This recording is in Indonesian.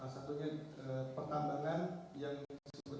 salah satunya pertambangan yang disebutnya